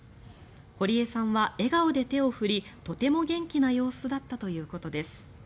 堀江さんは笑顔で手を振りとても元気な様子だったということです。